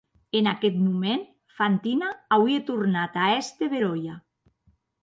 En aqueth moment Fantina auie tornat a èster beròia.